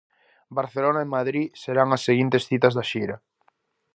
Barcelona e Madrid serán as seguintes citas da xira.